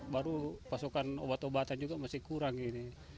baru pasokan obat obatan juga masih kurang ini